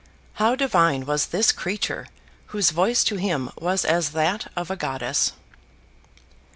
How divine was this creature, whose voice to him was as that of a goddess!